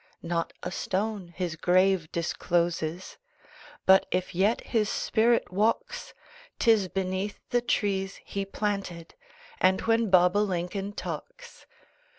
Not a stone his grave discloses; But if yet his spirit walks Tis beneath the trees he planted And when Bob o Lincoln talks.